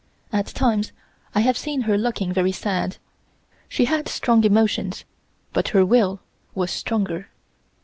At times I have seen her looking very sad. She had strong emotions, but her will was stronger.